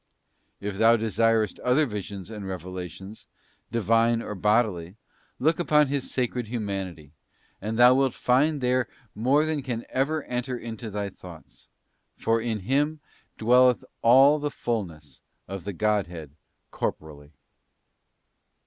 'f If thou desirest other visions and revelations, Divine or bodily, look upon His Sacred Hu manity, and thou wilt find there more than can ever enter into thy thoughts, ' for in Him dwelleth all the fulness of the Godhead corporally.